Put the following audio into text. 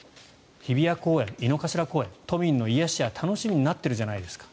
日比谷公園、井の頭公園都民の癒やしや楽しみになっているじゃないですか